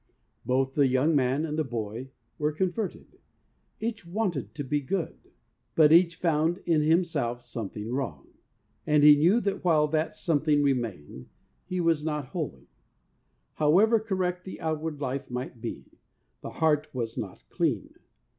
Both the young man and the boy were converted. Each wanted to be good, but each found in himself something wrong, 28 THE WAY OF HOLINESS and he knew that while that something re mained, he was not holy. However correct the outward life might be, the heart was not clean.